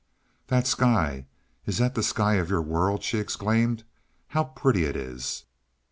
"That sky is that the sky of your world?" she exclaimed. "How pretty it is!"